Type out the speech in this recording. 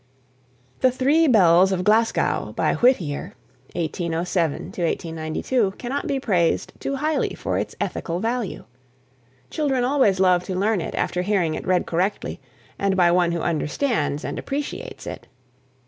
THE "THREE BELLS" OF GLASGOW. "The Three Bells of Glasgow," by Whittier (1807 92), cannot be praised too highly for its ethical value. Children always love to learn it after hearing it read correctly and by one who understands and appreciates it.